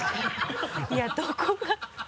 いやどこが。